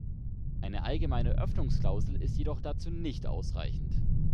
Eine allgemeine Öffnungsklausel ist jedoch dazu nicht ausreichend.